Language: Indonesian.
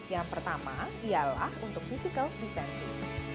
yang pertama ialah untuk physical distancing